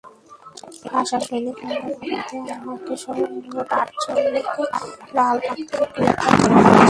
ভাষাসৈনিক হওয়ার অপরাধে আমাকেসহ মোট আটজনকে লালবাগ থেকে গ্রেপ্তার করে পুলিশ।